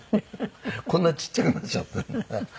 こんなちっちゃくなっちゃって。